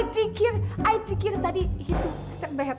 tadi itu cek behet